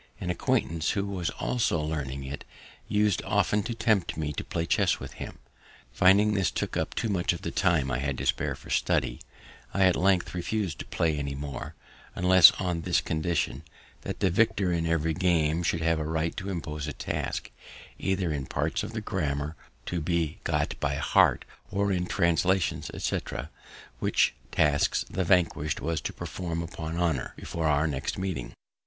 An acquaintance, who was also learning it, us'd often to tempt me to play chess with him. Finding this took up too much of the time I had to spare for study, I at length refus'd to play any more, unless on this condition, that the victor in every game should have a right to impose a task, either in parts of the grammar to be got by heart, or in translations, etc., which tasks the vanquish'd was to perform upon honour, before our next meeting.